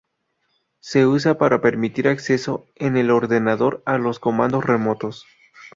Se usa para permitir acceso en el ordenador a los comandos remotos.